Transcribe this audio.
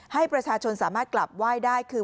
ให้ประชาชนสามารถกลับไหว้ได้คือ